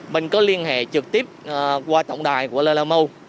mình có liên hệ trực tiếp qua tổng đài của lalamu